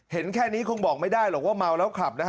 เห็นแค่นี้คงบอกไม่ได้หรอกว่าเมาแล้วขับนะฮะ